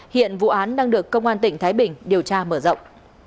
hiện vụ án đang được công an tỉnh thái bình điều tra mở rộng